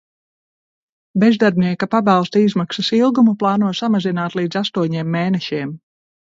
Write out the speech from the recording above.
Bezdarbnieka pabalsta izmaksas ilgumu plāno samazināt līdz astoņiem mēnešiem.